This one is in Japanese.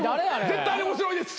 絶対に面白いです。